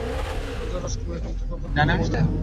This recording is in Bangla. রাজা ও রাজকুমারী এখনও একে অপরকে ক্ষমা করেনি।